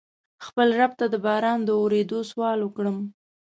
خپل رب ته د باران د ورېدو سوال وکړم.